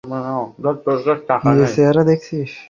নিজের চেহারা দেখেছিস?